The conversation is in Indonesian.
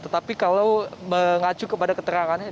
tetapi kalau mengacu kepada keterangannya